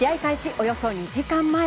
およそ２時間前。